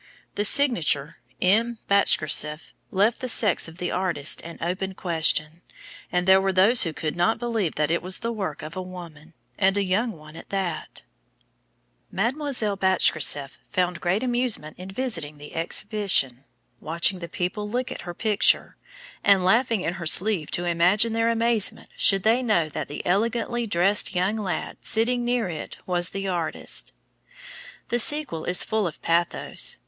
The signature, "M. Bashkirtseff," left the sex of the artist an open question, and there were those who could not believe that it was the work of a woman, and a young one at that. [Illustration: THE MEETING. MARIE BASHKIRTSEFF.] Mademoiselle Bashkirtseff found great amusement in visiting the exhibition, watching the people look at her picture, and laughing in her sleeve to imagine their amazement should they know that the elegantly dressed young lady sitting near it was the artist. The sequel is full of pathos.